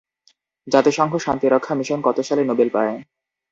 জাতিসংঘ শান্তিরক্ষা মিশন কত সালে নোবেল পায়?